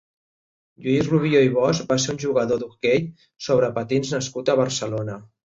Lluís Rubió i Bosch va ser un jugador d'hoquei sobre patins nascut a Barcelona.